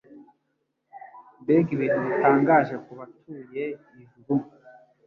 Mbega ibintu bitangaje ku batuye ijuru!